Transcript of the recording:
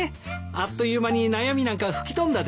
あっという間に悩みなんか吹き飛んだでしょ。